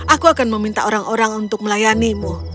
aku akan meminta orang orang untuk melayanimu